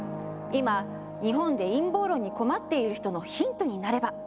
今日本で陰謀論に困っている人のヒントになれば！